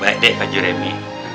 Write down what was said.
baik deh pak juremi